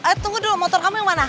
eh tunggu dulu motor kamu yang mana